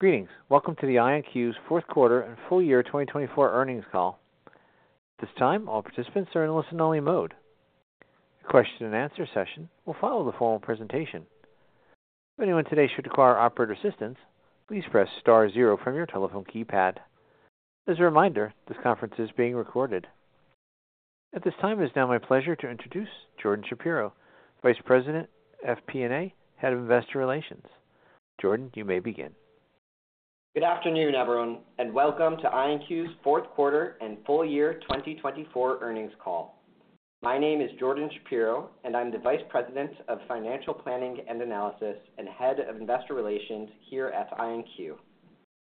Greetings. Welcome to the IonQ's Fourth Quarter and Full Year 2024 Earnings Call. At this time, all participants are in listen-only mode. The question-and-answer session will follow the formal presentation. If anyone today should require operator assistance, please press star zero from your telephone keypad. As a reminder, this conference is being recorded. At this time, it is now my pleasure to introduce Jordan Shapiro, Vice President, FP&A, Head of Investor Relations. Jordan, you may begin. Good afternoon, everyone, and welcome to IonQ's fourth quarter and full year 2024 earnings call. My name is Jordan Shapiro, and I'm the Vice President of Financial Planning and Analysis and Head of Investor Relations here at IonQ.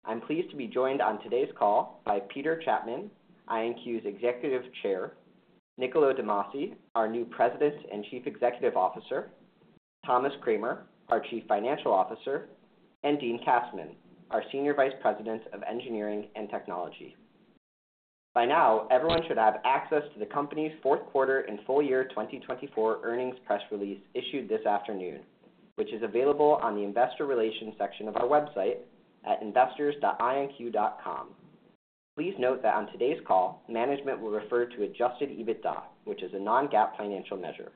I'm pleased to be joined on today's call by Peter Chapman, IonQ's Executive Chair, Niccolo de Masi, our new President and Chief Executive Officer, Thomas Kramer, our Chief Financial Officer, and Dean Kassmann, our Senior Vice President of Engineering and Technology. By now, everyone should have access to the company's fourth quarter and full year 2024 earnings press release issued this afternoon, which is available on the Investor Relations section of our website at investors.ionq.com. Please note that on today's call, management will refer to Adjusted EBITDA, which is a non-GAAP financial measure.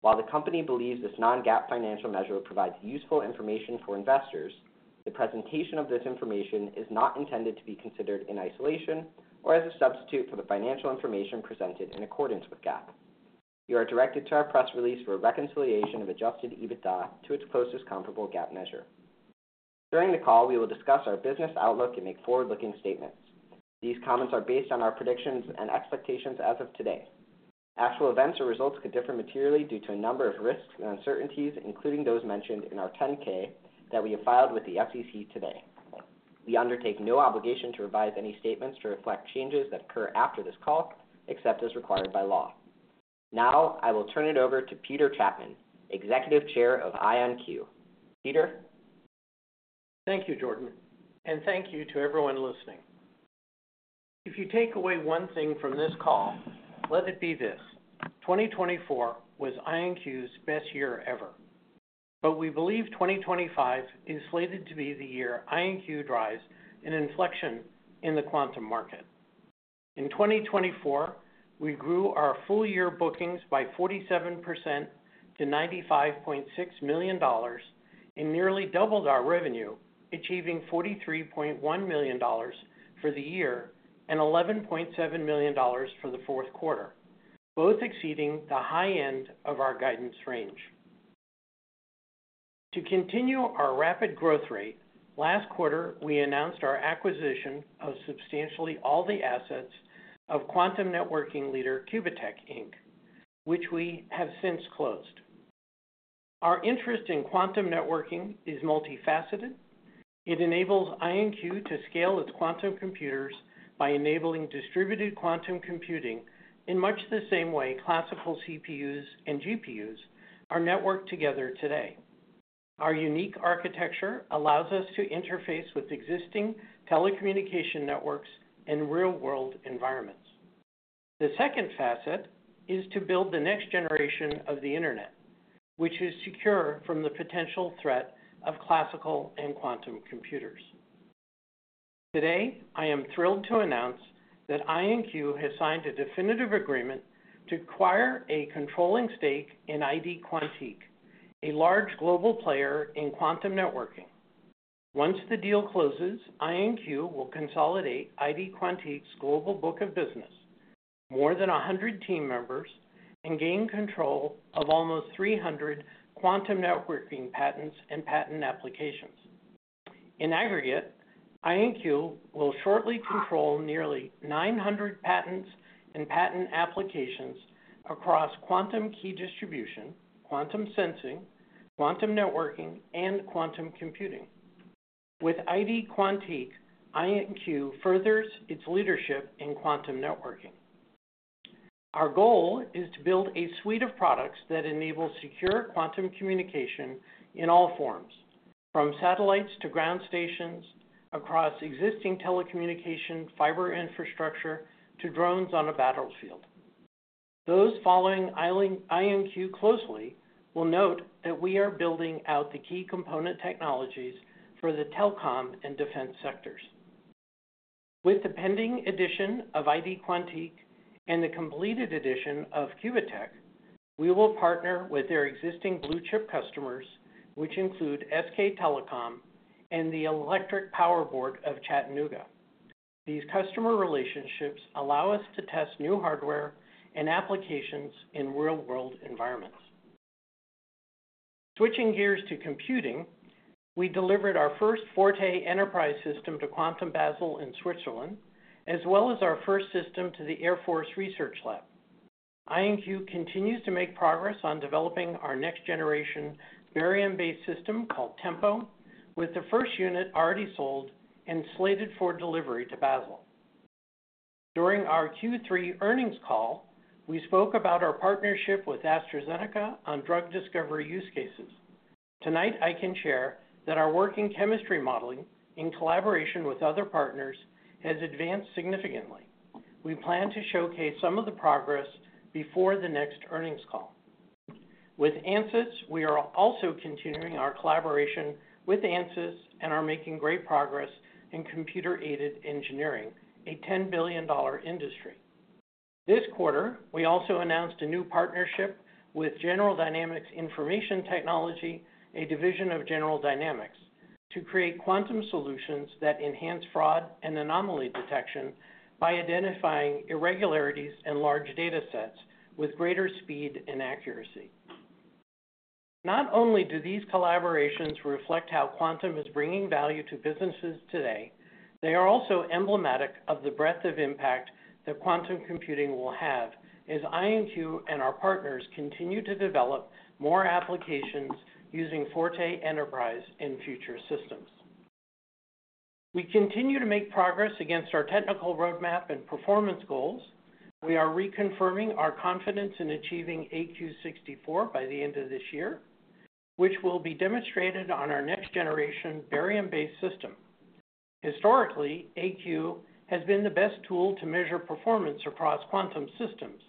While the company believes this non-GAAP financial measure provides useful information for investors, the presentation of this information is not intended to be considered in isolation or as a substitute for the financial information presented in accordance with GAAP. You are directed to our press release for a reconciliation of adjusted EBITDA to its closest comparable GAAP measure. During the call, we will discuss our business outlook and make forward-looking statements. These comments are based on our predictions and expectations as of today. Actual events or results could differ materially due to a number of risks and uncertainties, including those mentioned in our 10-K that we have filed with the SEC today. We undertake no obligation to revise any statements to reflect changes that occur after this call, except as required by law. Now, I will turn it over to Peter Chapman, Executive Chair of IonQ. Peter. Thank you, Jordan, and thank you to everyone listening. If you take away one thing from this call, let it be this: 2024 was IonQ's best year ever. But we believe 2025 is slated to be the year IonQ drives an inflection in the quantum market. In 2024, we grew our full-year bookings by 47% to $95.6 million and nearly doubled our revenue, achieving $43.1 million for the year and $11.7 million for the fourth quarter, both exceeding the high end of our guidance range. To continue our rapid growth rate, last quarter we announced our acquisition of substantially all the assets of quantum networking leader Qubitekk, Inc. which we have since closed. Our interest in quantum networking is multifaceted. It enables IonQ to scale its quantum computers by enabling distributed quantum computing in much the same way classical CPUs and GPUs are networked together today. Our unique architecture allows us to interface with existing telecommunication networks in real-world environments. The second facet is to build the next generation of the internet, which is secure from the potential threat of classical and quantum computers. Today, I am thrilled to announce that IonQ has signed a definitive agreement to acquire a controlling stake in ID Quantique, a large global player in quantum networking. Once the deal closes, IonQ will consolidate ID Quantique's global book of business, more than 100 team members, and gain control of almost 300 quantum networking patents and patent applications. In aggregate, IonQ will shortly control nearly 900 patents and patent applications across quantum key distribution, quantum sensing, quantum networking, and quantum computing. With ID Quantique, IonQ furthers its leadership in quantum networking. Our goal is to build a suite of products that enables secure quantum communication in all forms, from satellites to ground stations, across existing telecommunication fiber infrastructure to drones on a battlefield. Those following IonQ closely will note that we are building out the key component technologies for the telecom and defense sectors. With the pending addition of ID Quantique and the completed addition of Qubitekk, we will partner with their existing blue-chip customers, which include SK Telecom and the Electric Power Board of Chattanooga. These customer relationships allow us to test new hardware and applications in real-world environments. Switching gears to computing, we delivered our first Forte Enterprise system to Quantum Basel in Switzerland, as well as our first system to the Air Force Research Laboratory. IonQ continues to make progress on developing our next-generation barium-based system called Tempo, with the first unit already sold and slated for delivery to Basel. During our Q3 earnings call, we spoke about our partnership with AstraZeneca on drug discovery use cases. Tonight, I can share that our work in chemistry modeling, in collaboration with other partners, has advanced significantly. We plan to showcase some of the progress before the next earnings call. With Ansys, we are also continuing our collaboration with Ansys and are making great progress in computer-aided engineering, a $10 billion industry. This quarter, we also announced a new partnership with General Dynamics Information Technology, a division of General Dynamics, to create quantum solutions that enhance fraud and anomaly detection by identifying irregularities in large data sets with greater speed and accuracy. Not only do these collaborations reflect how quantum is bringing value to businesses today, they are also emblematic of the breadth of impact that quantum computing will have as IonQ and our partners continue to develop more applications using Forte Enterprise and future systems. We continue to make progress against our technical roadmap and performance goals. We are reconfirming our confidence in achieving AQ64 by the end of this year, which will be demonstrated on our next-generation barium-based system. Historically, AQ has been the best tool to measure performance across quantum systems.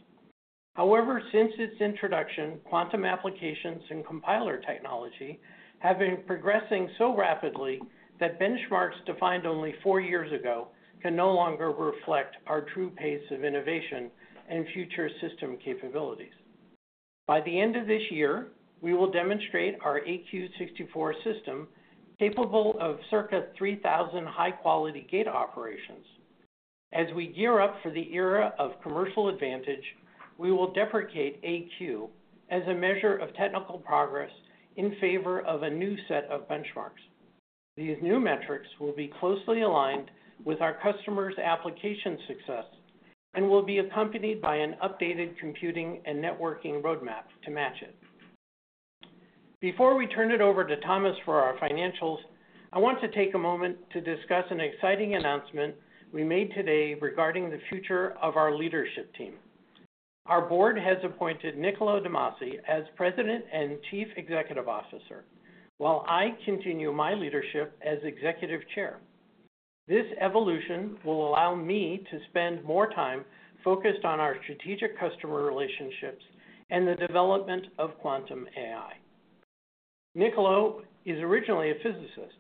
However, since its introduction, quantum applications and compiler technology have been progressing so rapidly that benchmarks defined only four years ago can no longer reflect our true pace of innovation and future system capabilities. By the end of this year, we will demonstrate our AQ64 system capable of circa 3,000 high-quality gate operations. As we gear up for the era of commercial advantage, we will deprecate AQ as a measure of technical progress in favor of a new set of benchmarks. These new metrics will be closely aligned with our customers' application success and will be accompanied by an updated computing and networking roadmap to match it. Before we turn it over to Thomas for our financials, I want to take a moment to discuss an exciting announcement we made today regarding the future of our leadership team. Our board has appointed Niccolo de Masi as President and Chief Executive Officer, while I continue my leadership as Executive Chair. This evolution will allow me to spend more time focused on our strategic customer relationships and the development of quantum AI. Niccolo is originally a physicist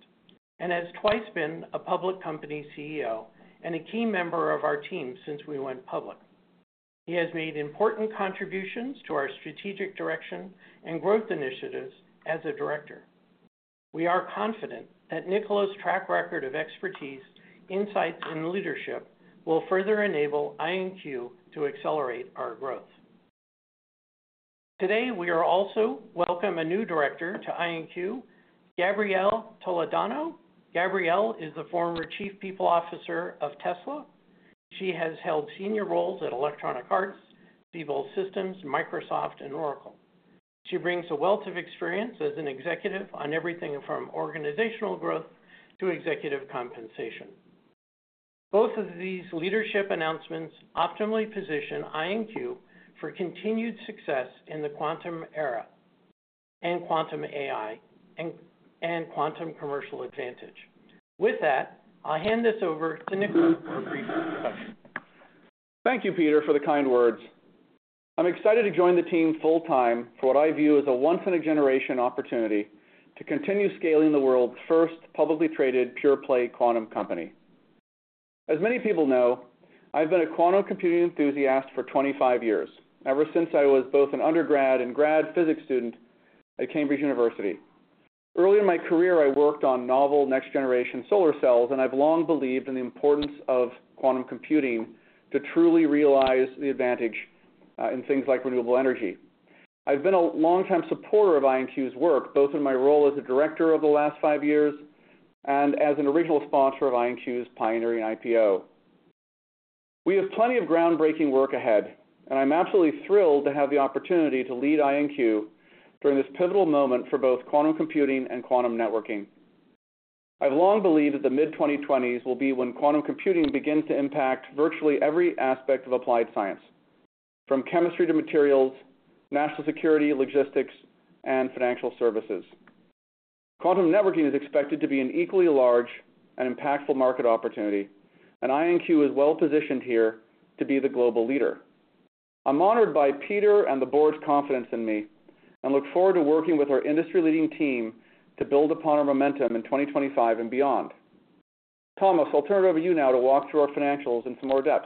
and has twice been a public company CEO and a key member of our team since we went public. He has made important contributions to our strategic direction and growth initiatives as a director. We are confident that Niccolo's track record of expertise, insights, and leadership will further enable IonQ to accelerate our growth. Today, we are also welcoming a new director to IonQ, Gabrielle Toledano. Gabrielle is the former Chief People Officer of Tesla. She has held senior roles at Electronic Arts, Siebel Systems, Microsoft, and Oracle. She brings a wealth of experience as an executive on everything from organizational growth to executive compensation. Both of these leadership announcements optimally position IonQ for continued success in the quantum era and quantum AI and quantum commercial advantage. With that, I'll hand this over to Niccolo for a brief introduction. Thank you, Peter, for the kind words. I'm excited to join the team full-time for what I view as a once-in-a-generation opportunity to continue scaling the world's first publicly traded pure-play quantum company. As many people know, I've been a quantum computing enthusiast for 25 years, ever since I was both an undergrad and grad physics student at Cambridge University. Early in my career, I worked on novel next-generation solar cells, and I've long believed in the importance of quantum computing to truly realize the advantage in things like renewable energy. I've been a long-time supporter of IonQ's work, both in my role as a director over the last five years and as an original sponsor of IonQ's pioneering IPO. We have plenty of groundbreaking work ahead, and I'm absolutely thrilled to have the opportunity to lead IonQ during this pivotal moment for both quantum computing and quantum networking. I've long believed that the mid-2020s will be when quantum computing begins to impact virtually every aspect of applied science, from chemistry to materials, national security, logistics, and financial services. Quantum networking is expected to be an equally large and impactful market opportunity, and IonQ is well positioned here to be the global leader. I'm honored by Peter and the board's confidence in me and look forward to working with our industry-leading team to build upon our momentum in 2025 and beyond. Thomas, I'll turn it over to you now to walk through our financials in some more depth.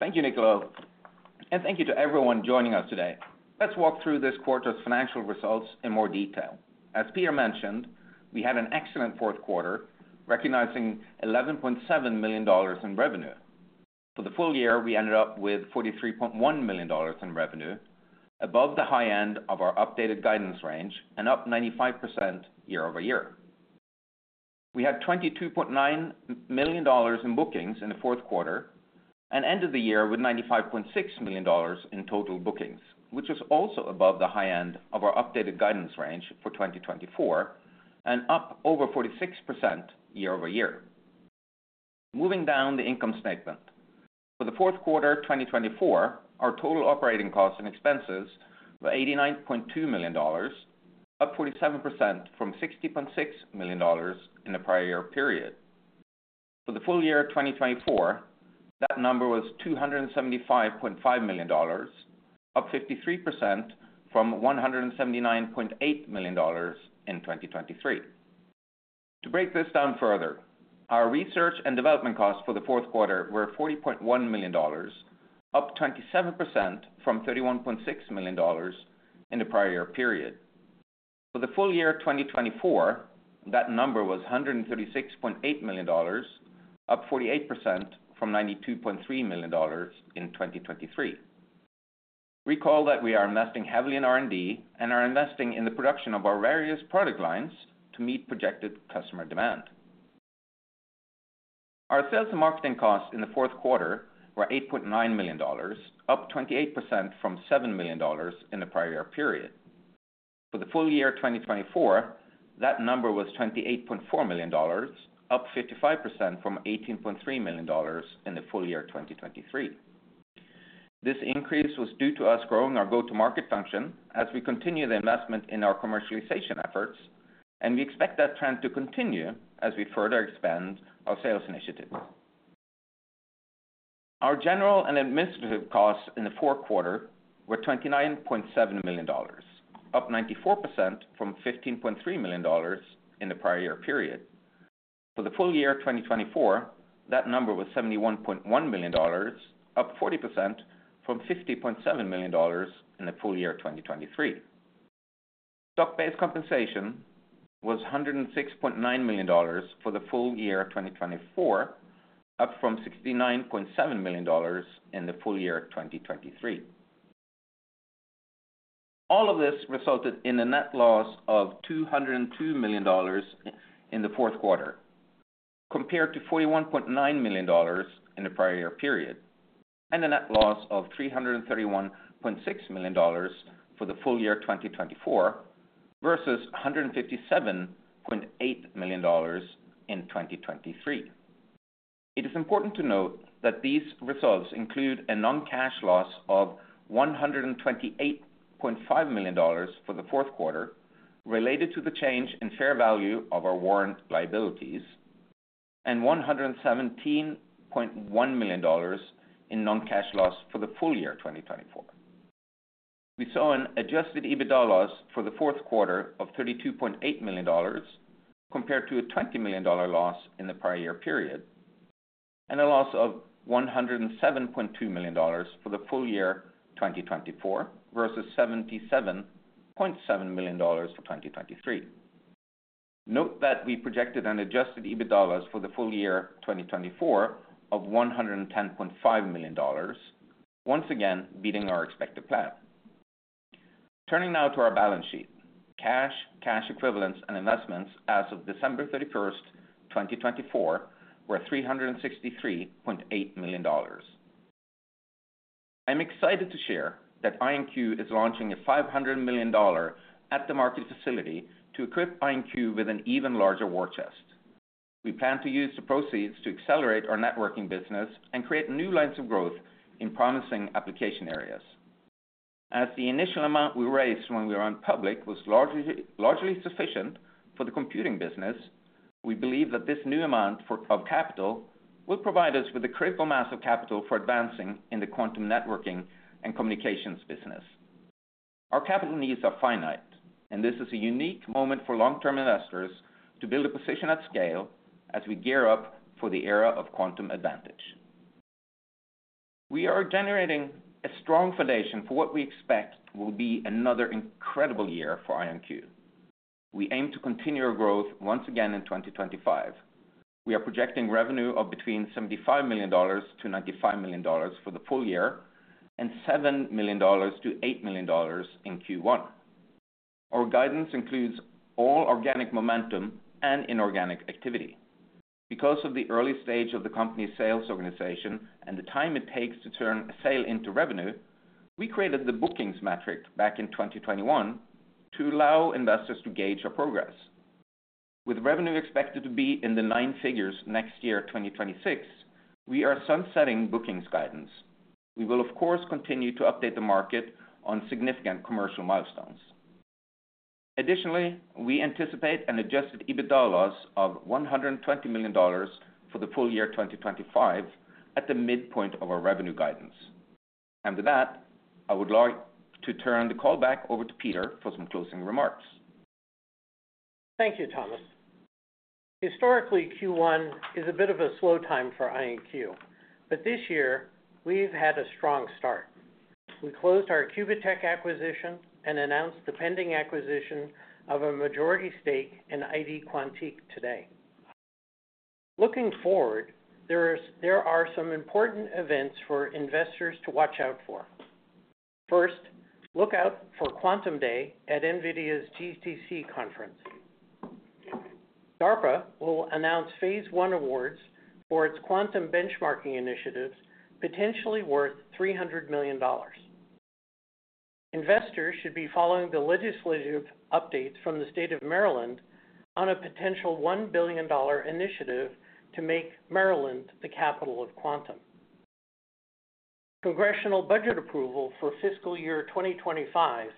Thank you, Niccolo, and thank you to everyone joining us today. Let's walk through this quarter's financial results in more detail. As Peter mentioned, we had an excellent fourth quarter, recognizing $11.7 million in revenue. For the full year, we ended up with $43.1 million in revenue, above the high end of our updated guidance range and up 95% year-over-year. We had $22.9 million in bookings in the fourth quarter and ended the year with $95.6 million in total bookings, which is also above the high end of our updated guidance range for 2024 and up over 46% year-over-year. Moving down the income statement, for the fourth quarter 2024, our total operating costs and expenses were $89.2 million, up 47% from $60.6 million in the prior year period. For the full year 2024, that number was $275.5 million, up 53% from $179.8 million in 2023. To break this down further, our research and development costs for the fourth quarter were $40.1 million, up 27% from $31.6 million in the prior year period. For the full year 2024, that number was $136.8 million, up 48% from $92.3 million in 2023. Recall that we are investing heavily in R&D and are investing in the production of our various product lines to meet projected customer demand. Our sales and marketing costs in the fourth quarter were $8.9 million, up 28% from $7 million in the prior year period. For the full year 2024, that number was $28.4 million, up 55% from $18.3 million in the full year 2023. This increase was due to us growing our go-to-market function as we continue the investment in our commercialization efforts, and we expect that trend to continue as we further expand our sales initiatives. Our general and administrative costs in the fourth quarter were $29.7 million, up 94% from $15.3 million in the prior year period. For the full year 2024, that number was $71.1 million, up 40% from $50.7 million in the full year 2023. Stock-based compensation was $106.9 million for the full year 2024, up from $69.7 million in the full year 2023. All of this resulted in a net loss of $202 million in the fourth quarter, compared to $41.9 million in the prior year period and a net loss of $331.6 million for the full year 2024 versus $157.8 million in 2023. It is important to note that these results include a non-cash loss of $128.5 million for the fourth quarter related to the change in fair value of our warrant liabilities and $117.1 million in non-cash loss for the full year 2024. We saw an Adjusted EBITDA loss for the fourth quarter of $32.8 million compared to a $20 million loss in the prior year period and a loss of $107.2 million for the full year 2024 versus $77.7 million for 2023. Note that we projected an Adjusted EBITDA loss for the full year 2024 of $110.5 million, once again beating our expected plan. Turning now to our balance sheet, cash, cash equivalents, and investments as of December 31st, 2024, were $363.8 million. I'm excited to share that IonQ is launching a $500 million at-the-market facility to equip IonQ with an even larger war chest. We plan to use the proceeds to accelerate our networking business and create new lines of growth in promising application areas. As the initial amount we raised when we went public was largely sufficient for the computing business, we believe that this new amount of capital will provide us with the critical mass of capital for advancing in the quantum networking and communications business. Our capital needs are finite, and this is a unique moment for long-term investors to build a position at scale as we gear up for the era of quantum advantage. We are generating a strong foundation for what we expect will be another incredible year for IonQ. We aim to continue our growth once again in 2025. We are projecting revenue of between $75 million-$95 million for the full year and $7 million-$8 million in Q1. Our guidance includes all organic momentum and inorganic activity. Because of the early stage of the company's sales organization and the time it takes to turn a sale into revenue, we created the bookings metric back in 2021 to allow investors to gauge our progress. With revenue expected to be in the nine figures next year, 2026, we are sunsetting bookings guidance. We will, of course, continue to update the market on significant commercial milestones. Additionally, we anticipate an Adjusted EBITDA loss of $120 million for the full year 2025 at the midpoint of our revenue guidance. With that, I would like to turn the call back over to Peter for some closing remarks. Thank you, Thomas. Historically, Q1 is a bit of a slow time for IonQ, but this year we've had a strong start. We closed our Qubitekk acquisition and announced the pending acquisition of a majority stake in ID Quantique today. Looking forward, there are some important events for investors to watch out for. First, look out for Quantum Day at NVIDIA's GTC conference. DARPA will announce phase one awards for its quantum benchmarking initiatives, potentially worth $300 million. Investors should be following the legislative updates from the state of Maryland on a potential $1 billion initiative to make Maryland the capital of quantum. Congressional budget approval for fiscal year 2025.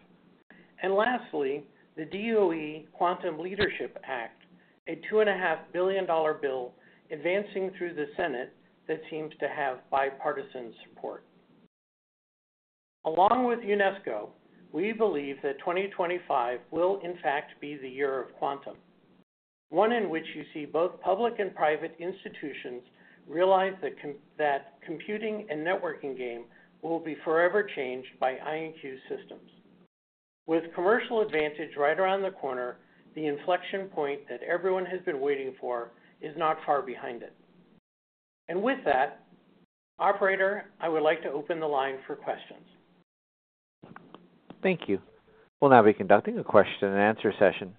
And lastly, the DOE Quantum Leadership Act, a $2.5 billion bill advancing through the Senate that seems to have bipartisan support. Along with UNESCO, we believe that 2025 will, in fact, be the year of quantum, one in which you see both public and private institutions realize that computing and networking game will be forever changed by IonQ systems. With commercial advantage right around the corner, the inflection point that everyone has been waiting for is not far behind it. And with that, Operator, I would like to open the line for questions. Thank you. We'll now be conducting a question-and-answer session.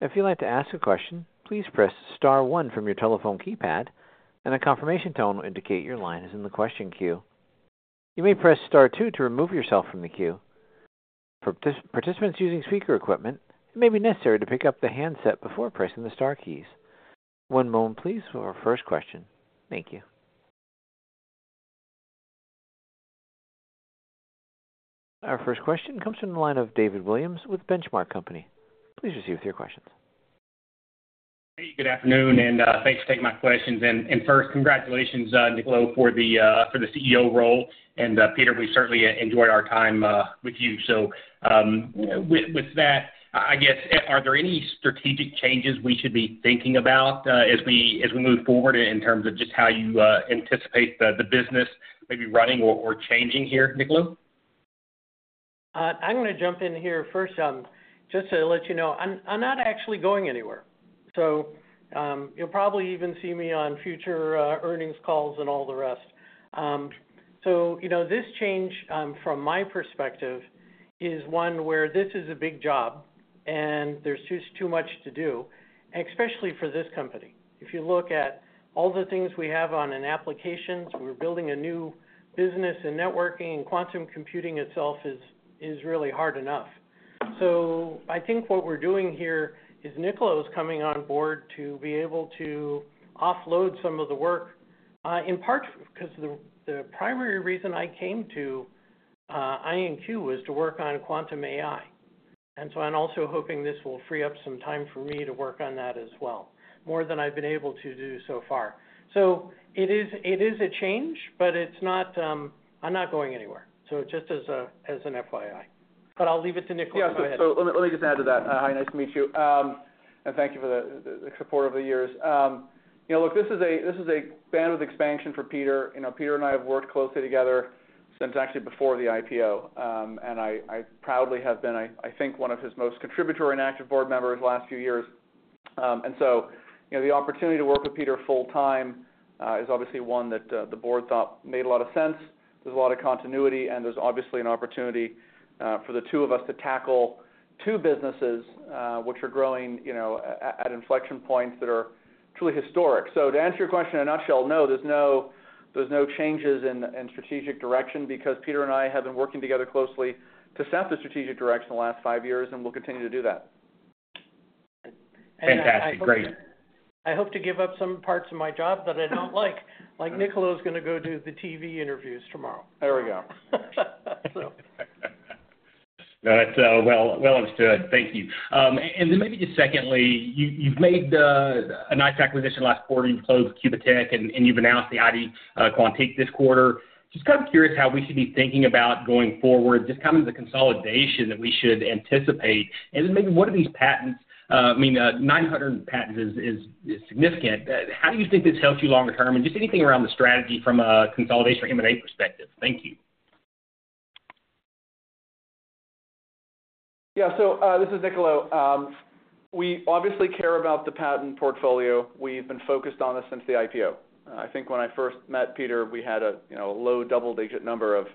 If you'd like to ask a question, please press star one from your telephone keypad, and a confirmation tone will indicate your line is in the question queue. You may press star two to remove yourself from the queue. For participants using speaker equipment, it may be necessary to pick up the handset before pressing the star keys. One moment, please, for our first question. Thank you. Our first question comes from the line of David Williams with The Benchmark Company. Please proceed with your questions. Hey, good afternoon, and thanks for taking my questions. And first, congratulations, Niccolo, for the CEO role. And Peter, we certainly enjoyed our time with you. So with that, I guess, are there any strategic changes we should be thinking about as we move forward in terms of just how you anticipate the business maybe running or changing here, Niccolo? I'm going to jump in here first. Just to let you know, I'm not actually going anywhere. So you'll probably even see me on future earnings calls and all the rest. So this change, from my perspective, is one where this is a big job and there's just too much to do, especially for this company. If you look at all the things we have on in applications, we're building a new business in networking, and quantum computing itself is really hard enough. So I think what we're doing here is Niccolo's coming on board to be able to offload some of the work, in part because the primary reason I came to IonQ was to work on quantum AI. And so I'm also hoping this will free up some time for me to work on that as well, more than I've been able to do so far. So it is a change, but I'm not going anywhere. So just as an FYI. But I'll leave it to Niccolo. Yeah, so let me just add to that. Hi, nice to meet you. And thank you for the support over the years. Look, this is a bandwidth expansion for Peter. Peter and I have worked closely together since actually before the IPO, and I proudly have been, I think, one of his most contributory and active board members the last few years. And so the opportunity to work with Peter full-time is obviously one that the board thought made a lot of sense. There's a lot of continuity, and there's obviously an opportunity for the two of us to tackle two businesses which are growing at inflection points that are truly historic. So to answer your question in a nutshell, no, there's no changes in strategic direction because Peter and I have been working together closely to set the strategic direction the last five years, and we'll continue to do that. Fantastic. Great. I hope to give up some parts of my job that I don't like. Like Niccolo's going to go do the TV interviews tomorrow. There we go. That's well understood. Thank you. And then maybe just secondly, you've made a nice acquisition the last quarter. You've closed Qubitekk, and you've announced the ID Quantique this quarter. Just kind of curious how we should be thinking about going forward, just kind of the consolidation that we should anticipate. And then maybe what are these patents? I mean, 900 patents is significant. How do you think this helps you longer term? And just anything around the strategy from a consolidation or M&A perspective. Thank you. Yeah, so this is Niccolo. We obviously care about the patent portfolio. We've been focused on this since the IPO. I think when I first met Peter, we had a low double-digit number of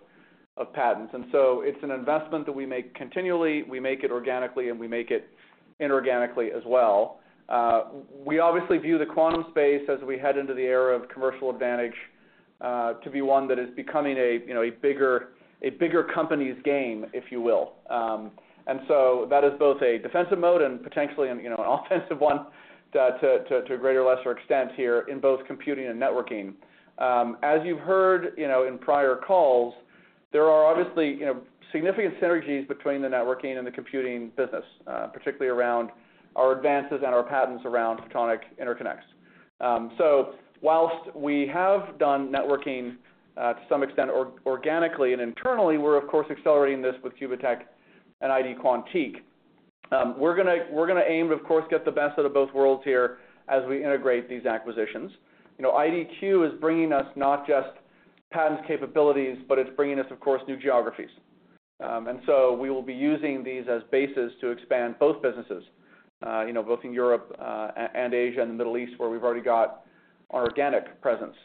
patents. And so it's an investment that we make continually. We make it organically, and we make it inorganically as well. We obviously view the quantum space as we head into the era of commercial advantage to be one that is becoming a bigger company's game, if you will. And so that is both a defensive mode and potentially an offensive one to a greater or lesser extent here in both computing and networking. As you've heard in prior calls, there are obviously significant synergies between the networking and the computing business, particularly around our advances and our patents around photonic interconnects. So while we have done networking to some extent organically and internally, we're, of course, accelerating this with Qubitekk and ID Quantique. We're going to aim to, of course, get the best out of both worlds here as we integrate these acquisitions. IDQ is bringing us not just patent capabilities, but it's bringing us, of course, new geographies. And so we will be using these as bases to expand both businesses, both in Europe and Asia and the Middle East, where we've already got our organic presence.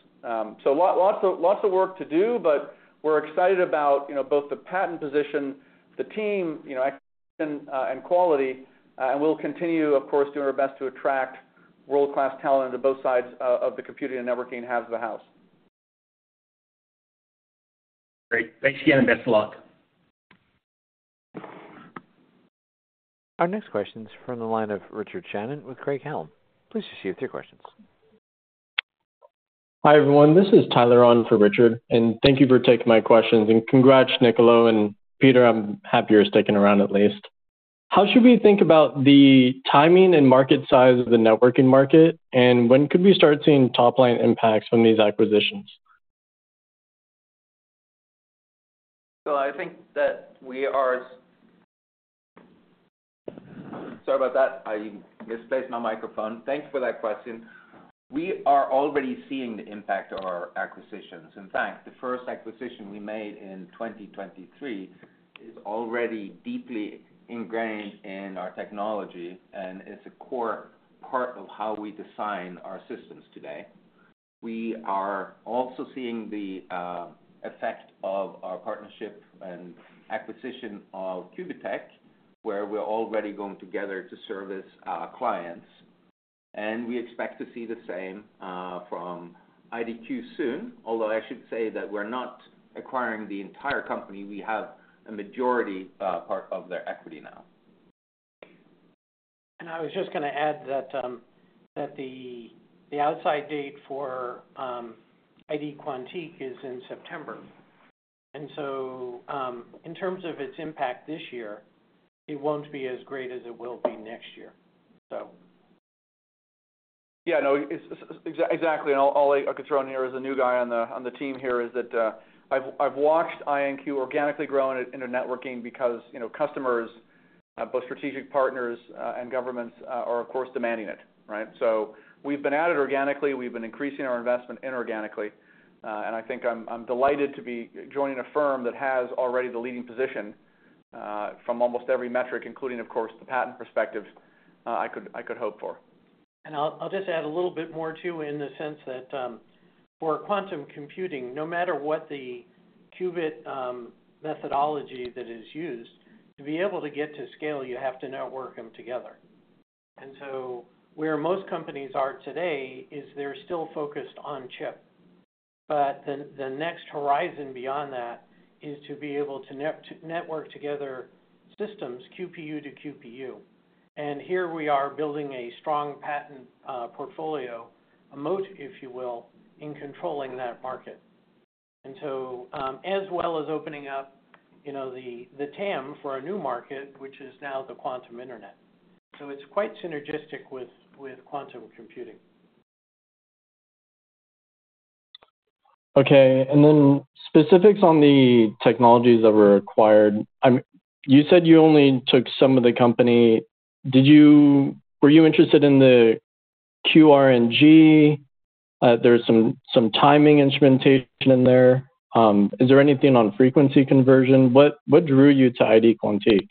So lots of work to do, but we're excited about both the patent position, the team, acquisition, and quality. And we'll continue, of course, doing our best to attract world-class talent into both sides of the computing and networking halves of the house. Great. Thanks again, and best of luck. Our next question is from the line of Richard Shannon with Craig-Hallum, please proceed with your questions. Hi everyone. This is Tyler Anderson for Richard, and thank you for taking my questions. Congrats, Niccolo. Peter, I'm happier sticking around at least. How should we think about the timing and market size of the networking market, and when could we start seeing top-line impacts from these acquisitions? Niccolo, I think that we are. Sorry about that. I misplaced my microphone. Thank you for that question. We are already seeing the impact of our acquisitions. In fact, the first acquisition we made in 2023 is already deeply ingrained in our technology and is a core part of how we design our systems today. We are also seeing the effect of our partnership and acquisition of Qubitekk, where we're already going together to service our clients. And we expect to see the same from IDQ soon, although I should say that we're not acquiring the entire company. We have a majority part of their equity now. And I was just going to add that the outside date for ID Quantique is in September. And so in terms of its impact this year, it won't be as great as it will be next year, so. Yeah, no, exactly. And all I can throw in here as a new guy on the team here is that I've watched IonQ organically grow into networking because customers, both strategic partners and governments, are, of course, demanding it, right? So we've been added organically. We've been increasing our investment inorganically. And I think I'm delighted to be joining a firm that has already the leading position from almost every metric, including, of course, the patent perspective I could hope for. And I'll just add a little bit more too in the sense that for quantum computing, no matter what the qubit methodology that is used, to be able to get to scale, you have to network them together. And so where most companies are today is they're still focused on chip. But the next horizon beyond that is to be able to network together systems, QPU to QPU. And here we are building a strong patent portfolio, a moat, if you will, in controlling that market. And so as well as opening up the TAM for a new market, which is now the quantum internet. So it's quite synergistic with quantum computing. Okay. And then specifics on the technologies that were acquired. You said you only took some of the company. Were you interested in the QRNG? There's some timing instrumentation in there. Is there anything on frequency conversion? What drew you to ID Quantique?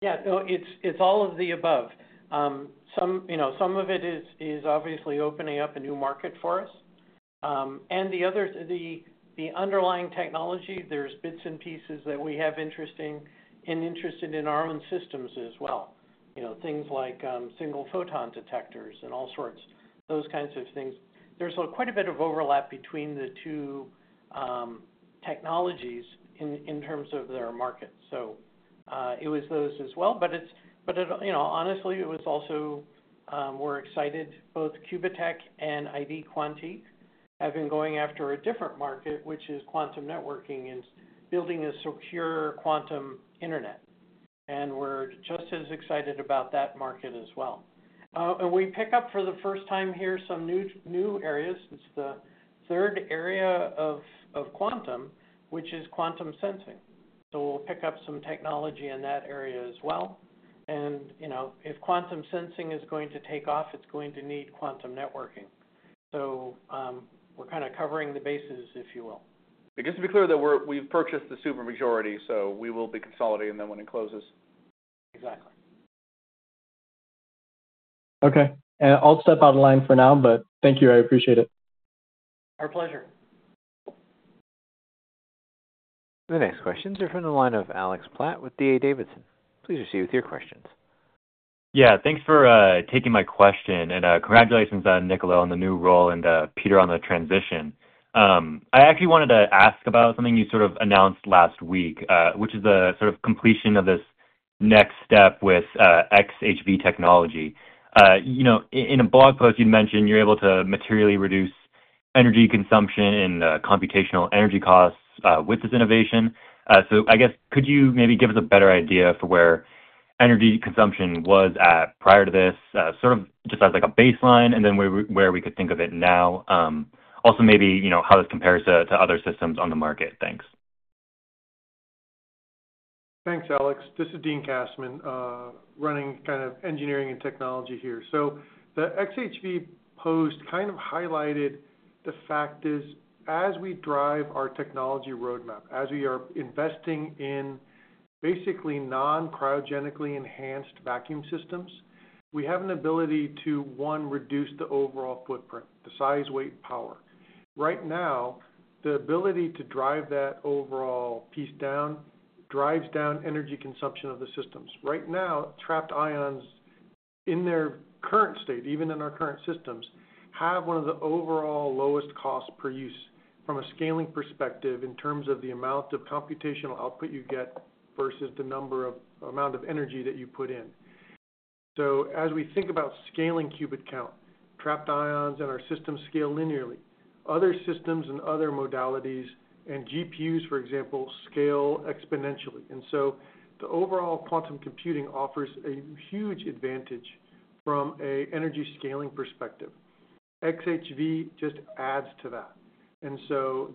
Yeah, no, it's all of the above. Some of it is obviously opening up a new market for us, and the underlying technology, there's bits and pieces that we have interest in and interested in our own systems as well. Things like single-photon detectors and all sorts, those kinds of things. There's quite a bit of overlap between the two technologies in terms of their market. So it was those as well, but honestly, it was also we're excited. Both Qubitekk and ID Quantique have been going after a different market, which is quantum networking and building a secure quantum internet, and we're just as excited about that market as well, and we pick up for the first time here some new areas. It's the third area of quantum, which is quantum sensing. So we'll pick up some technology in that area as well. And if quantum sensing is going to take off, it's going to need quantum networking. So we're kind of covering the bases, if you will. Just to be clear, we've purchased the supermajority, so we will be consolidating them when it closes. Exactly. Okay. I'll step out of line for now, but thank you. I appreciate it. Our pleasure. The next questions are from the line of Alex Platt with D.A. Davidson. Please proceed with your questions. Yeah, thanks for taking my question. And congratulations on Niccolo on the new role and Peter on the transition. I actually wanted to ask about something you sort of announced last week, which is the sort of completion of this next step with XHV technology. In a blog post, you'd mentioned you're able to materially reduce energy consumption and computational energy costs with this innovation. So I guess, could you maybe give us a better idea for where energy consumption was at prior to this, sort of just as a baseline, and then where we could think of it now? Also maybe how this compares to other systems on the market. Thanks. Thanks, Alex. This is Dean Kassmann, running kind of engineering and technology here. So the XHV post kind of highlighted the fact is as we drive our technology roadmap, as we are investing in basically non-cryogenically enhanced vacuum systems, we have an ability to, one, reduce the overall footprint, the size, weight, and power. Right now, the ability to drive that overall piece down drives down energy consumption of the systems. Right now, trapped ions in their current state, even in our current systems, have one of the overall lowest costs per use from a scaling perspective in terms of the amount of computational output you get versus the amount of energy that you put in. So as we think about scaling qubit count, trapped ions in our systems scale linearly. Other systems and other modalities and GPUs, for example, scale exponentially. And so the overall quantum computing offers a huge advantage from an energy scaling perspective. XHV just adds to that. And so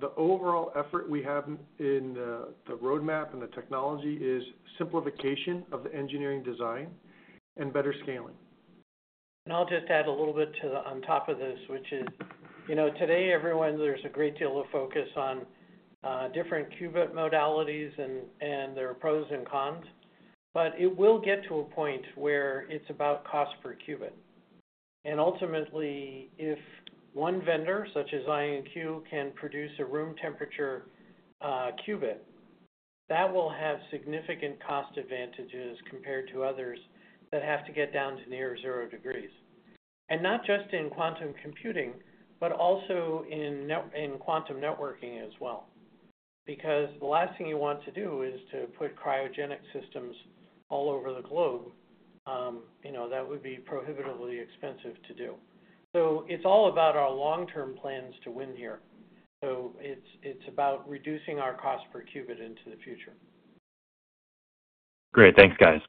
the overall effort we have in the roadmap and the technology is simplification of the engineering design and better scaling. And I'll just add a little bit on top of this, which is today, everyone, there's a great deal of focus on different qubit modalities and their pros and cons. But it will get to a point where it's about cost per qubit. And ultimately, if one vendor such as IonQ can produce a room temperature qubit, that will have significant cost advantages compared to others that have to get down to near zero degrees. And not just in quantum computing, but also in quantum networking as well. Because the last thing you want to do is to put cryogenic systems all over the globe. That would be prohibitively expensive to do. So it's all about our long-term plans to win here. So it's about reducing our cost per qubit into the future. Great. Thanks, guys.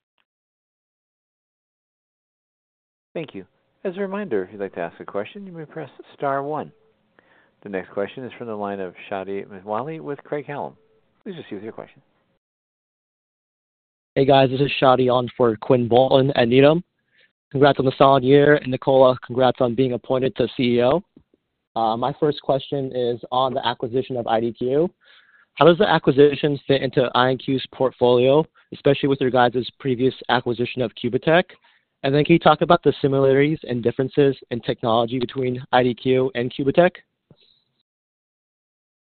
Thank you. As a reminder, if you'd like to ask a question, you may press star one. The next question is from the line of Shadi Mitwalli with Craig-Hallum. Please proceed with your question. Hey, guys. This is Shadi on for Quinn Bolton and Needham. Congrats on the solid year. And Niccolo, congrats on being appointed to CEO. My first question is on the acquisition of IDQ. How does the acquisition fit into IonQ's portfolio, especially with regards to its previous acquisition of Qubitekk? And then can you talk about the similarities and differences in technology between IDQ and Qubitekk?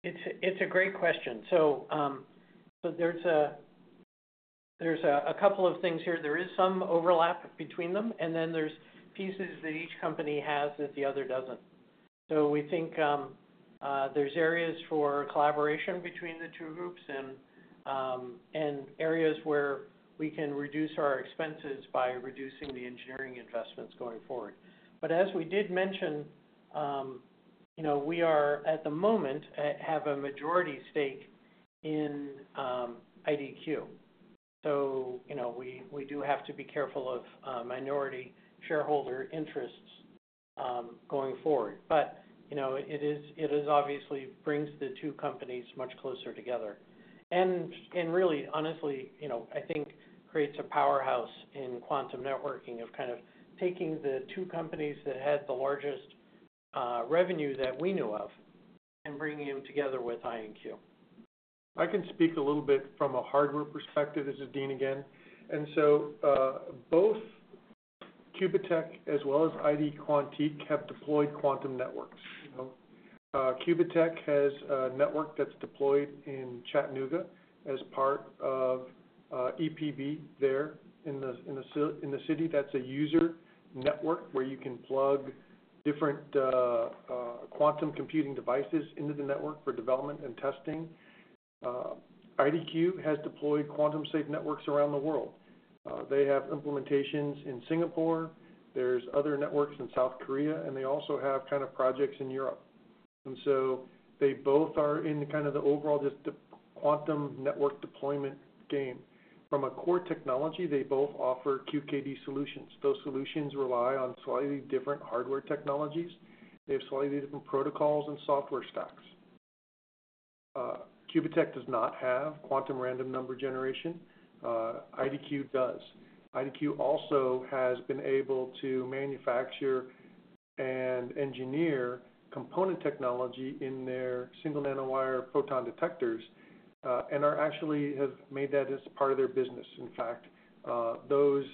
It's a great question. So there's a couple of things here. There is some overlap between them, and then there's pieces that each company has that the other doesn't. So we think there's areas for collaboration between the two groups and areas where we can reduce our expenses by reducing the engineering investments going forward. But as we did mention, we are at the moment have a majority stake in IDQ. So we do have to be careful of minority shareholder interests going forward. But it obviously brings the two companies much closer together. And really, honestly, I think creates a powerhouse in quantum networking of kind of taking the two companies that had the largest revenue that we knew of and bringing them together with IonQ. I can speak a little bit from a hardware perspective. This is Dean again, and so both Qubitekk as well as ID Quantique have deployed quantum networks. Qubitekk has a network that's deployed in Chattanooga as part of EPB there in the city. That's a user network where you can plug different quantum computing devices into the network for development and testing. IDQ has deployed quantum-safe networks around the world. They have implementations in Singapore. There's other networks in South Korea, and they also have kind of projects in Europe, and so they both are in kind of the overall just quantum network deployment game. From a core technology, they both offer QKD solutions. Those solutions rely on slightly different hardware technologies. They have slightly different protocols and software stacks. Qubitekk does not have quantum random number generation. IDQ does. IDQ also has been able to manufacture and engineer component technology in their single nanowire photon detectors and actually have made that as part of their business. In fact, those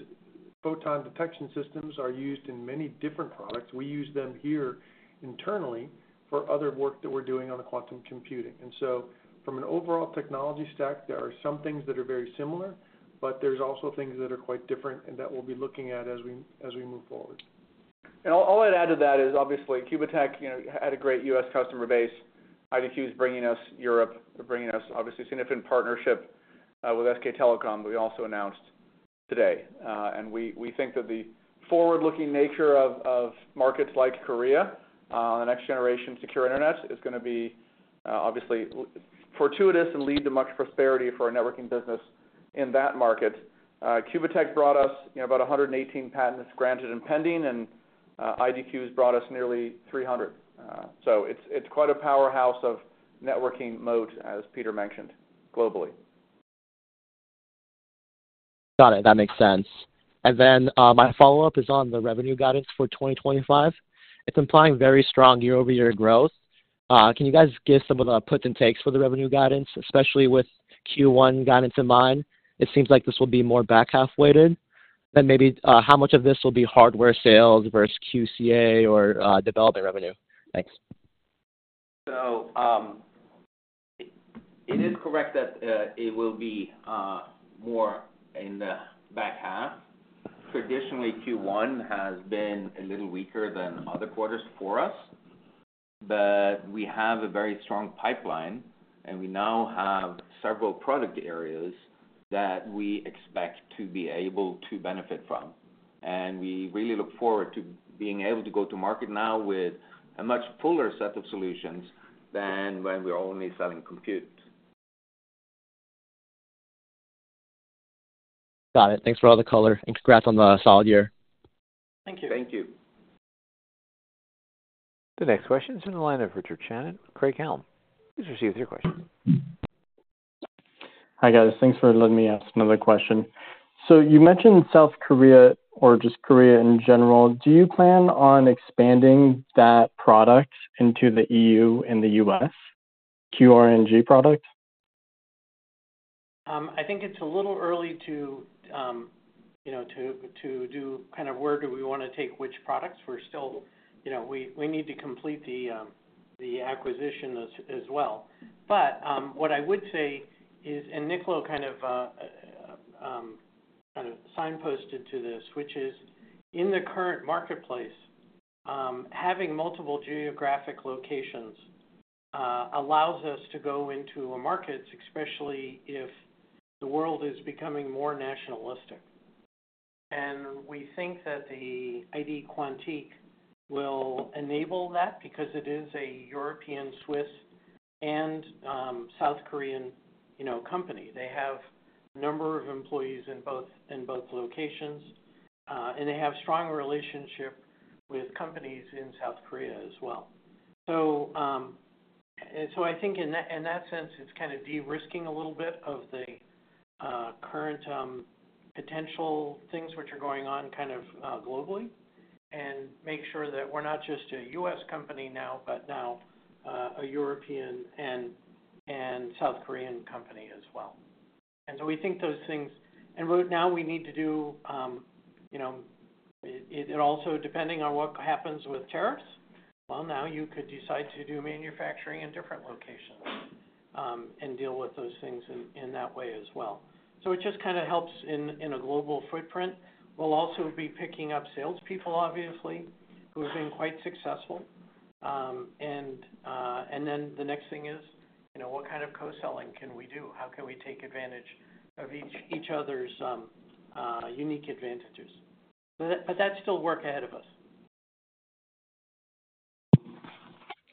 photon detection systems are used in many different products. We use them here internally for other work that we're doing on quantum computing, and so from an overall technology stack, there are some things that are very similar, but there's also things that are quite different and that we'll be looking at as we move forward. I'll add to that is obviously Qubitekk had a great U.S. customer base. IDQ is bringing us Europe. They're bringing us obviously significant partnership with SK Telecom that we also announced today. We think that the forward-looking nature of markets like Korea on the next-generation secure internet is going to be obviously fortuitous and lead to much prosperity for our networking business in that market. Qubitekk brought us about 118 patents granted and pending, and IDQ has brought us nearly 300. So it's quite a powerhouse of networking moat, as Peter mentioned, globally. Got it. That makes sense. And then my follow-up is on the revenue guidance for 2025. It's implying very strong year-over-year growth. Can you guys give some of the puts and takes for the revenue guidance, especially with Q1 guidance in mind? It seems like this will be more back half weighted. Then maybe how much of this will be hardware sales versus QCA or development revenue? Thanks. So it is correct that it will be more in the back half. Traditionally, Q1 has been a little weaker than other quarters for us. But we have a very strong pipeline, and we now have several product areas that we expect to be able to benefit from. And we really look forward to being able to go to market now with a much fuller set of solutions than when we were only selling compute. Got it. Thanks for all the color, and congrats on the solid year. Thank you. Thank you. The next question is from the line of Richard Shannon with Craig-Hallum. Please proceed with your question. Hi guys. Thanks for letting me ask another question. So you mentioned South Korea or just Korea in general. Do you plan on expanding that product into the E.U. and the U.S., QRNG product? I think it's a little early to do kind of where do we want to take which products. We need to complete the acquisition as well. But what I would say is, and Niccolo kind of signposted to this, which is in the current marketplace, having multiple geographic locations allows us to go into markets, especially if the world is becoming more nationalistic. And we think that the ID Quantique will enable that because it is a European, Swiss, and South Korean company. They have a number of employees in both locations, and they have strong relationships with companies in South Korea as well. So I think in that sense, it's kind of de-risking a little bit of the current potential things which are going on kind of globally and making sure that we're not just a U.S. company now, but now a European and South Korean company as well. And so we think those things, and now we need to do it also depending on what happens with tariffs. Well, now you could decide to do manufacturing in different locations and deal with those things in that way as well. So it just kind of helps in a global footprint. We'll also be picking up salespeople, obviously, who have been quite successful. And then the next thing is, what kind of co-selling can we do? How can we take advantage of each other's unique advantages? But that's still work ahead of us.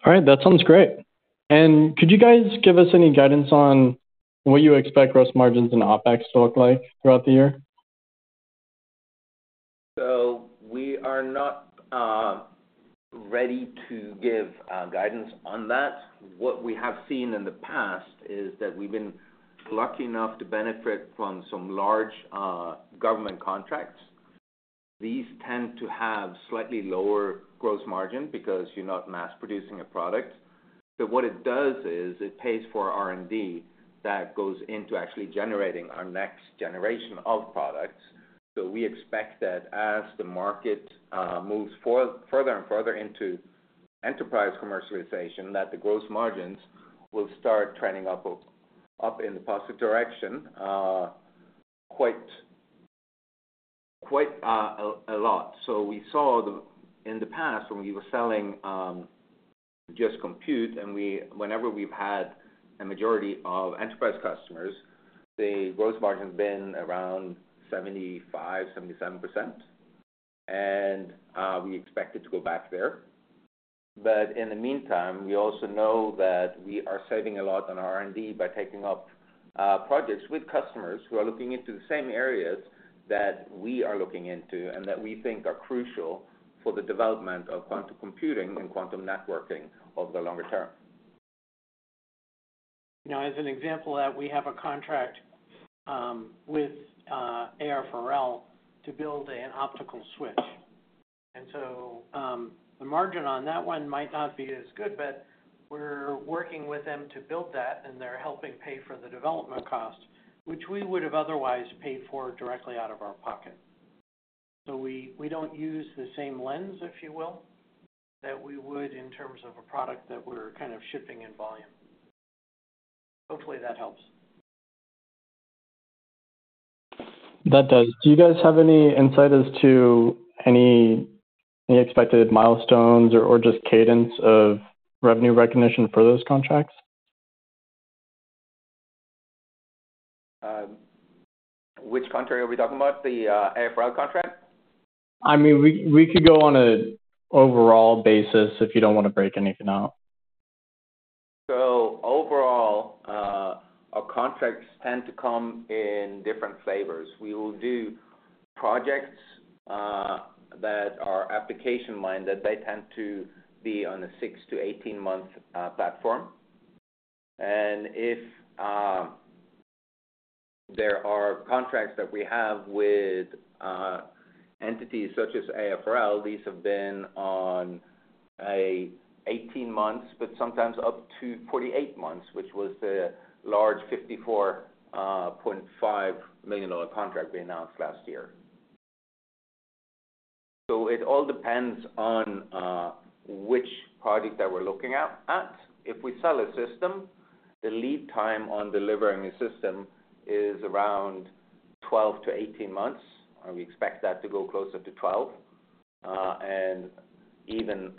All right. That sounds great. And could you guys give us any guidance on what you expect gross margins and OpEx to look like throughout the year? So we are not ready to give guidance on that. What we have seen in the past is that we've been lucky enough to benefit from some large government contracts. These tend to have slightly lower gross margin because you're not mass-producing a product. But what it does is it pays for R&D that goes into actually generating our next generation of products. So we expect that as the market moves further and further into enterprise commercialization, that the gross margins will start trending up in the positive direction quite a lot. So we saw in the past when we were selling just compute, and whenever we've had a majority of enterprise customers, the gross margin has been around 75%-77%. And we expect it to go back there. In the meantime, we also know that we are saving a lot on R&D by taking up projects with customers who are looking into the same areas that we are looking into and that we think are crucial for the development of quantum computing and quantum networking over the longer term. As an example of that, we have a contract with AFRL to build an optical switch, and so the margin on that one might not be as good, but we're working with them to build that, and they're helping pay for the development cost, which we would have otherwise paid for directly out of our pocket, so we don't use the same lens, if you will, that we would in terms of a product that we're kind of shipping in volume. Hopefully, that helps. That does. Do you guys have any insight as to any expected milestones or just cadence of revenue recognition for those contracts? Which contract are we talking about? The AFRL contract? I mean, we could go on an overall basis if you don't want to break anything out. So overall, our contracts tend to come in different flavors. We will do projects that are application-minded. They tend to be on a six to 18-month platform. And if there are contracts that we have with entities such as AFRL, these have been on 18 months, but sometimes up to 48 months, which was the large $54.5 million contract we announced last year. So it all depends on which project that we're looking at. If we sell a system, the lead time on delivering a system is around 12 to 18 months, and we expect that to go closer to 12 and even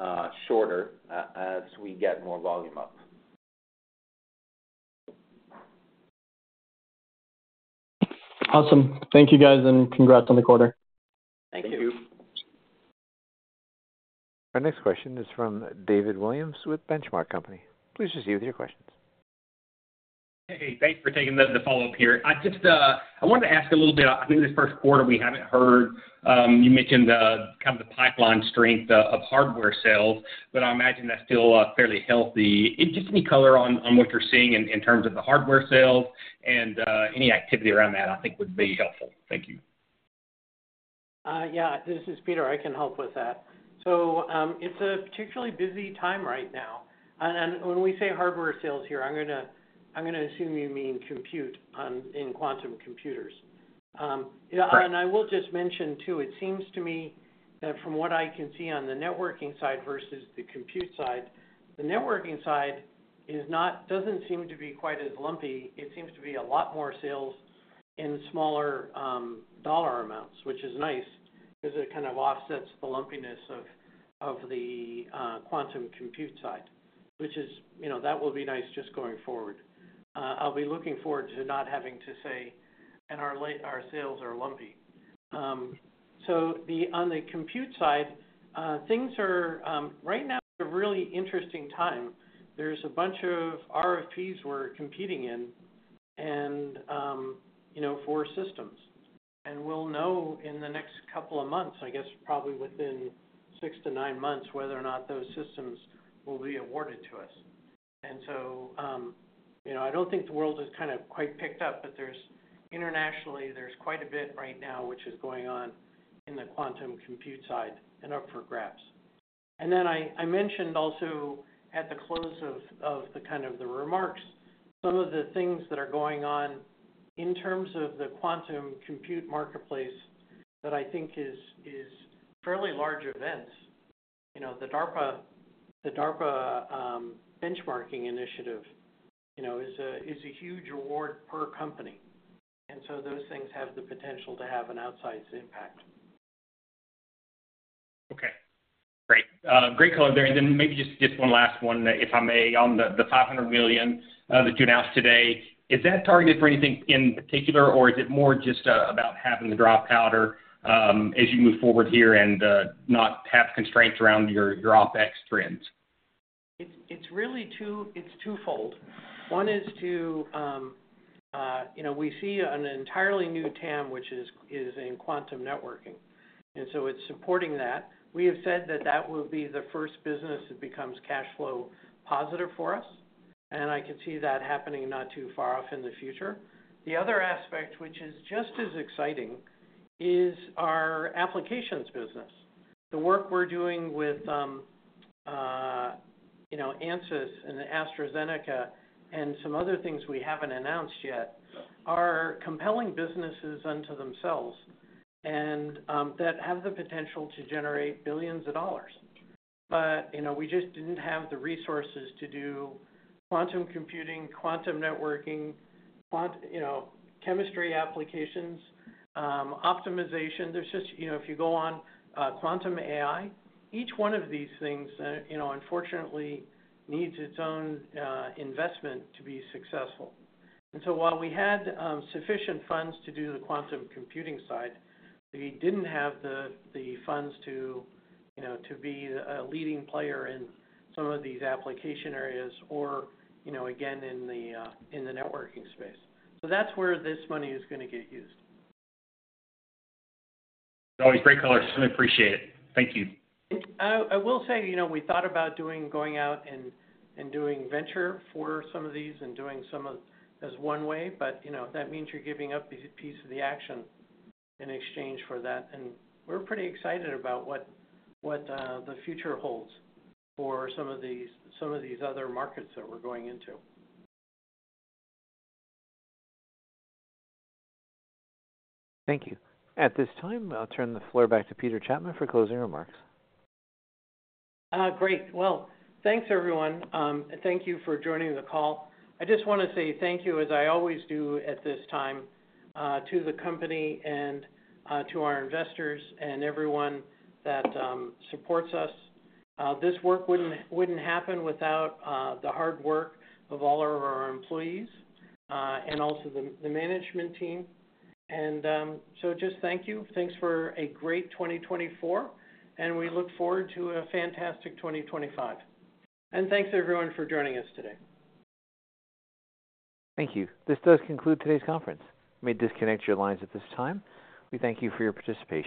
shorter as we get more volume up. Awesome. Thank you, guys, and congrats on the quarter. Thank you. Thank you. Our next question is from David Williams with Benchmark Company. Please proceed with your questions. Hey, thanks for taking the follow-up here. I wanted to ask a little bit about, I think this first quarter, we haven't heard. You mentioned kind of the pipeline strength of hardware sales, but I imagine that's still fairly healthy. Just any color on what you're seeing in terms of the hardware sales and any activity around that, I think, would be helpful. Thank you. Yeah, this is Peter. I can help with that. So it's a particularly busy time right now. And when we say hardware sales here, I'm going to assume you mean compute in quantum computers. And I will just mention, too, it seems to me that from what I can see on the networking side versus the compute side, the networking side doesn't seem to be quite as lumpy. It seems to be a lot more sales in smaller dollar amounts, which is nice because it kind of offsets the lumpiness of the quantum compute side, which is that will be nice just going forward. I'll be looking forward to not having to say, "And our sales are lumpy." So on the compute side, things are right now a really interesting time. There's a bunch of RFPs we're competing in for systems. And we'll know in the next couple of months, I guess probably within six-to-nine months, whether or not those systems will be awarded to us. And so I don't think the world hasn't quite picked up, but internationally, there's quite a bit right now which is going on in the quantum computing side and up for grabs. And then I mentioned also at the close of kind of the remarks, some of the things that are going on in terms of the quantum computing marketplace that I think are fairly large events. The DARPA benchmarking initiative is a huge award per company. And so those things have the potential to have an outsized impact. Okay. Great. Great color there. And then maybe just one last one, if I may, on the $500 million that you announced today. Is that targeted for anything in particular, or is it more just about having the drop out as you move forward here and not have constraints around your OpEx trends? It's really twofold. One is to we see an entirely new TAM, which is in quantum networking. And so it's supporting that. We have said that that will be the first business that becomes cash flow positive for us. And I can see that happening not too far off in the future. The other aspect, which is just as exciting, is our applications business. The work we're doing with Ansys and AstraZeneca and some other things we haven't announced yet are compelling businesses unto themselves that have the potential to generate billions of dollars. But we just didn't have the resources to do quantum computing, quantum networking, chemistry applications, optimization. There's just if you go on quantum AI, each one of these things, unfortunately, needs its own investment to be successful. And so while we had sufficient funds to do the quantum computing side, we didn't have the funds to be a leading player in some of these application areas or, again, in the networking space. So that's where this money is going to get used. That was great color. I appreciate it. Thank you. I will say we thought about going out and doing venture for some of these and doing some of that as one way, but that means you're giving up a piece of the action in exchange for that. And we're pretty excited about what the future holds for some of these other markets that we're going into. Thank you. At this time, I'll turn the floor back to Peter Chapman for closing remarks. Great. Well, thanks, everyone, and thank you for joining the call. I just want to say thank you, as I always do at this time, to the company and to our investors and everyone that supports us. This work wouldn't happen without the hard work of all of our employees and also the management team, and so just thank you. Thanks for a great 2024, and we look forward to a fantastic 2025, and thanks, everyone, for joining us today. Thank you. This does conclude today's conference. We may disconnect your lines at this time. We thank you for your participation.